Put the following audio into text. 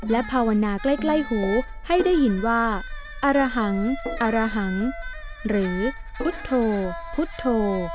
และภาวนาใกล้ไกล้หูให้ได้ยินว่าอรหังหรือพุทธโหพุทธโห